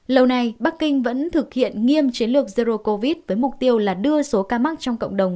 lâu nay bắc kinh vẫn thực hiện nghiêm chiến lược zero covid với mục tiêu là đưa số ca mắc trong cộng đồng